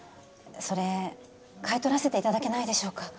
それ買い取らせていただけないでしょうか